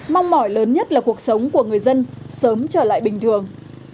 mong mỏi lớn nhất là cuộc sống của người dân sớm trở lại bình thường